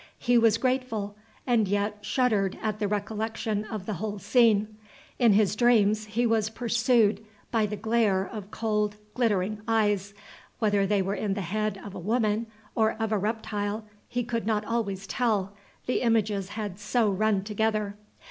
He was grateful, and yet shuddered at the recollection of the whole scene. In his dreams he was pursued by the glare of cold glittering eyes, whether they were in the head of a woman or of a reptile he could not always tell, the images had so run together.